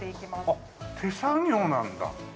あっ手作業なんだ。